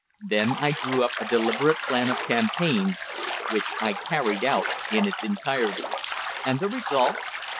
Then I drew up a deliberate plan of campaign, which I carried out in its entirety." "And the result?"